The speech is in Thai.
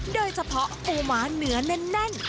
โดยเฉพาะปูม้าเนื้อแน่น